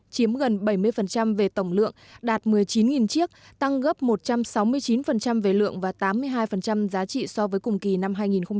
chiếm gần bảy mươi về tổng lượng đạt một mươi chín chiếc tăng gấp một trăm sáu mươi chín về lượng và tám mươi hai giá trị so với cùng kỳ năm hai nghìn một mươi chín